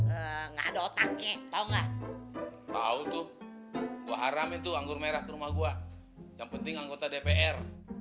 enggak ada otaknya tahu nggak tahu tuh gua haram itu anggur merah ke rumah gua yang penting anggota dpr